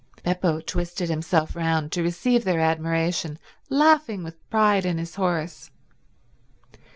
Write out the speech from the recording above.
Beppo twisted himself round to receive their admiration, laughing with pride in his horse.